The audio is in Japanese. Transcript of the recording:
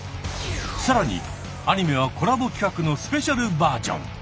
さらにアニメはコラボ企画のスペシャルバージョン！